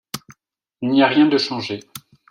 Il n’y a rien de changé.